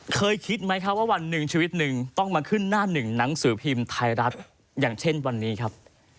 เคยคิดไหมครับว่าวันหนึ่งชีวิตหนึ่งต้องมาขึ้นหน้าหนึ่งหนังสือพิมพ์ไทยรัฐอย่างเช่นวันนี้ครับ